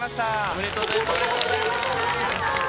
おめでとうございます！